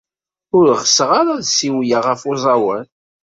Ur ɣseɣ ara ad ssiwleɣ ɣef uẓawan.